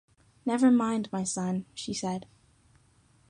“Never mind, my son,” she said.